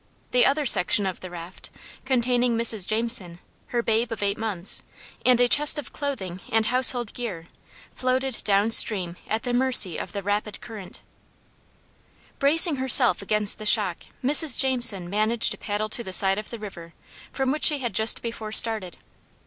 The other section of the raft, containing Mrs. Jameson, her babe of eight months, and a chest of clothing and household gear, floated down stream at the mercy of the rapid current. [Illustration: PERILOUS CROSSING OF THE ALLEGHANY RIVER] Bracing herself against the shock, Mrs. Jameson managed to paddle to the side of the river from which she had just before started.